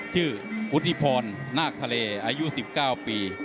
ชื่อวุฒิพรนาคทะเลอายุ๑๙ปี